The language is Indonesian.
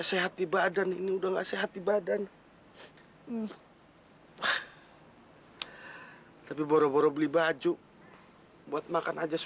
sampai jumpa di video selanjutnya